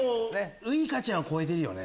ウイカちゃんは超えてるよね。